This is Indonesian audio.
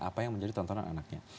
apa yang menjadi tontonan anaknya